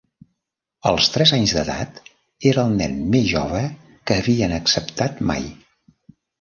Als tres anys d'edat, era el nen més jove que havien acceptat mai.